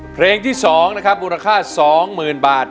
เพลงที่สองนะครับมูลค่าสองหมื่นบาท